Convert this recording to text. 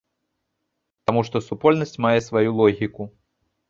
Таму што супольнасць мае сваю логіку.